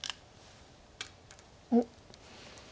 おっ！